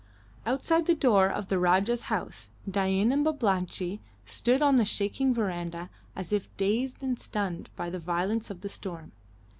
Outside the door of the Rajah's house Dain and Babalatchi stood on the shaking verandah as if dazed and stunned by the violence of the storm.